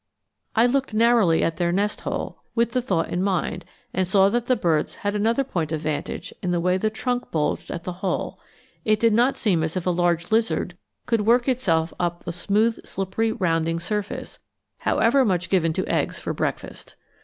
I looked narrowly at their nest hole with the thought in mind and saw that the birds had another point of vantage in the way the trunk bulged at the hole it did not seem as if a large lizard could work itself up the smooth slippery rounding surface, however much given to eggs for breakfast.